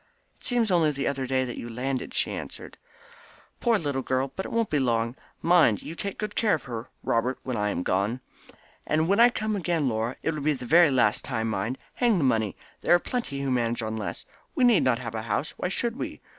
"It seems only the other day that you landed." she answered. "Poor little girl! But it won't be long. Mind you take good care of her, Robert when I am gone. And when I come again, Laura, it will be the last time mind! Hang the money! There are plenty who manage on less. We need not have a house. Why should we?